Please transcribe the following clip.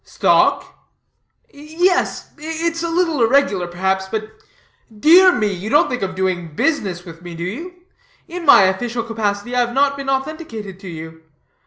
"Stock?" "Yes, it's a little irregular, perhaps, but " "Dear me, you don't think of doing any business with me, do you? In my official capacity I have not been authenticated to you.